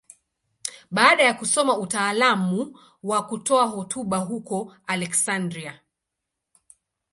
Baada ya kusoma utaalamu wa kutoa hotuba huko Aleksandria.